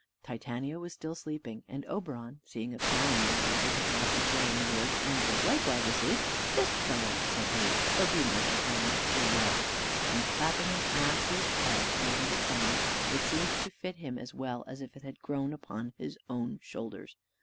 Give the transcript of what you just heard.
Titania was still sleeping, and Oberon seeing a clown near her, who had lost his way in the wood, and was likewise asleep: "This fellow," said he, "shall be my Titania's true love;" and clapping an ass's head over the clown's, it seemed to fit him as well as if it had grown upon his own shoulders.